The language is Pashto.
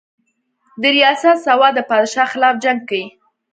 درياست سوات د بادشاه خلاف جنګ کښې